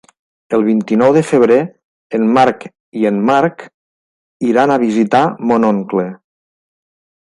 El vint-i-nou de febrer en Marc i en Marc iran a visitar mon oncle.